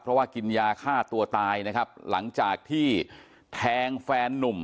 เพราะว่ากินยาฆ่าตัวตายนะครับหลังจากที่แทงแฟนนุ่ม